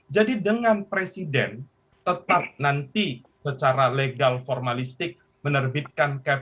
jadi dengan presiden tetap nanti secara legal formalistik menerbitkan kpk